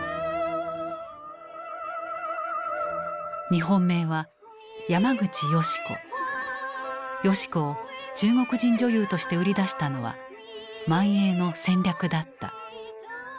日本名は淑子を中国人女優として売り出したのは満映の戦略だった。